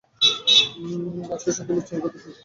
আজকে শুধু লুচ্চামি করতে এসেছি।